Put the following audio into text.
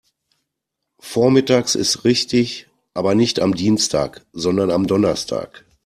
Vormittags ist richtig, aber nicht am Dienstag, sondern am Donnerstag.